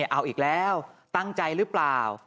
เอาอีกแล้วตั้งใจหรือเปล่า